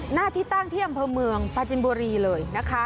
หน้าที่ตั้งที่อำเภอเมืองปาจินบุรีเลยนะคะ